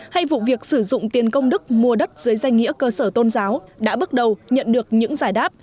hay vụ việc sử dụng tiền công đức mua đất dưới danh nghĩa cơ sở tôn giáo đã bước đầu nhận được những giải đáp